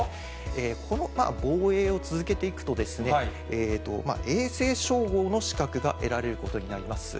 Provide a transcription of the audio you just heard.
この防衛を続けていくとですね、永世称号の資格が得られることになります。